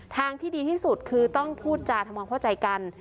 ทางที่ดีที่สุดคือต้องพูดจาทำความเข้าใจกัน